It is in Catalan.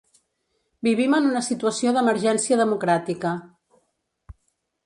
Vivim en una situació d'emergència democràtica.